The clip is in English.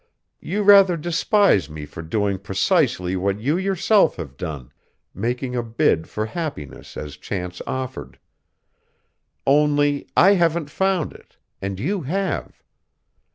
"You rather despise me for doing precisely what you yourself have done, making a bid for happiness as chance offered. Only I haven't found it, and you have.